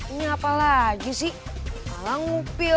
ini apa lagi sih malah ngupil